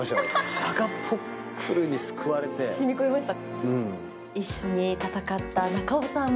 じゃがポックルに救われて染み込みました？